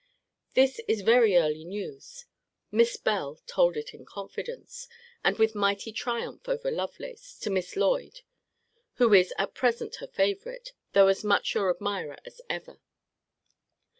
This is very early news. Miss Bell told it in confidence, and with mighty triumph over Lovelace, to Miss Lloyd, who is at present her favourite, though as much you admirer as ever.